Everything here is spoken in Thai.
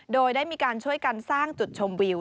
โดยได้มีการช่วยกันสร้างจุดชมวิว